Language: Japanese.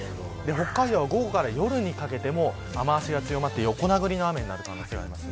北海道は午後から夜にかけても雨脚が強まって横殴りの雨になります。